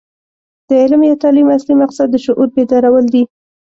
د علم یا تعلیم اصلي مقصد د شعور بیدارول دي.